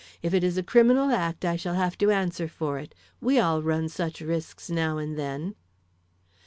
If it is a criminal act I shall have to answer for it. We all run such risks now and then."